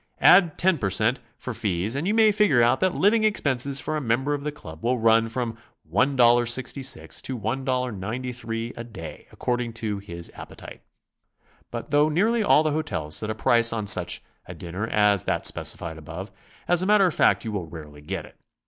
Add 10 per cent, for fees, and you may figure out that living expenses for a member of the Club will run from $1.66 to $1.93 a day, according to his appetite. But, though nearly all the hotels set a price on such a dinner as that specified above, as a matter of fact you will rarely get it.